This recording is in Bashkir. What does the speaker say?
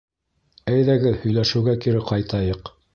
Әйҙәгеҙ һөйләшеүгә кире ҡайтайыҡ